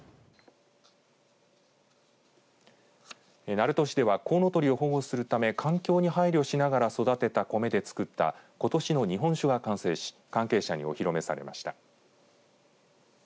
鳴門市ではこうのとりを保護するため環境に配慮しながら育てた米で造ったことしの日本酒が完成し関係者にお披露目されました。